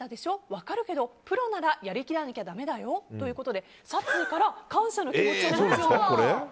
分かるけどプロならやりきらなきゃだめだよということで、殺意から感謝の気持ちになったと。